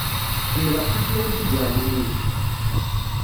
Ḥemmleɣ tutlayin tiǧermaniyin.